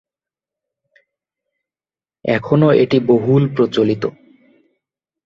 এখনো এটি বহুল প্রচলিত।